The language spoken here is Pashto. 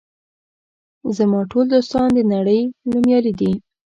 زما ټول دوستان د نړۍ نومیالي دي.